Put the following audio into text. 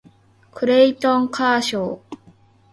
クレイトン・カーショー